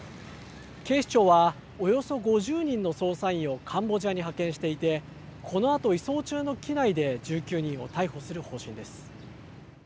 警視庁はおよそ５０人の捜査員をカンボジアに派遣していて、このあと移送中の機内で１９人を逮捕する方針です。